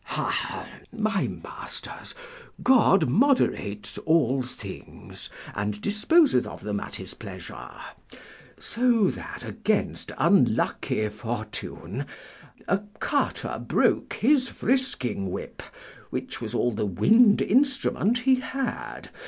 Ha, my masters, God moderates all things, and disposeth of them at his pleasure, so that against unlucky fortune a carter broke his frisking whip, which was all the wind instrument he had.